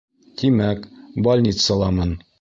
Тимәк, больницаламын.